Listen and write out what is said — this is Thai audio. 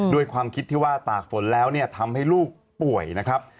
ด้วยความคิดที่ว่าตากฝนแล้วเนี่ยทำให้ลูกป่วยนะครับ